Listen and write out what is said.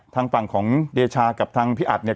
ทางฝั่งของเดชากับทางพี่อัดเนี่ย